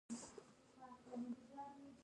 ویکتور هوګو څنګه نړیوال ادبي شهرت ترلاسه کړ.